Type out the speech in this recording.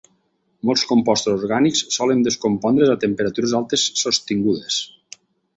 Molts compostos orgànics solen descompondre's a temperatures altes sostingudes.